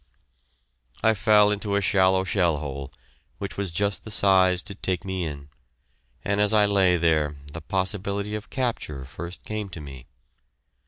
I fell into a shallow shell hole, which was just the size to take me in, and as I lay there, the possibility of capture first came to me.